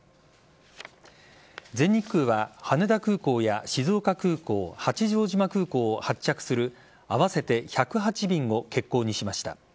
全日空は羽田空港や静岡空港八丈島空港を発着する合わせて１０８便を欠航にしました。